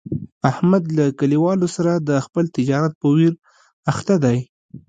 احمد له کلیوالو سره د خپل تجارت په ویر اخته دی.